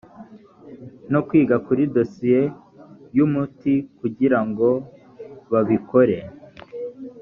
no kwiga kuri dosiye y umuti kugira ngo babikore